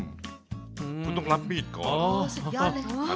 คุณต้องรับมีดก่อน